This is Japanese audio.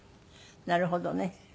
なるほどね。